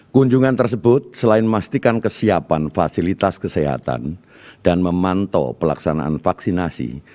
kunjungan tersebut selain memastikan kesiapan fasilitas kesehatan dan memantau pelaksanaan vaksinasi